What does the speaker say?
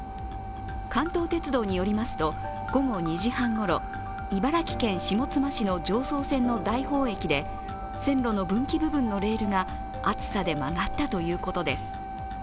関東鉄道によりますと、午後２時半ごろ、茨城県下妻市の常総線の大宝駅で線路の分岐部分のレールが暑さで曲がったということです。